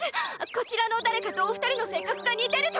こちらの誰かとお二人の性格が似てるとか。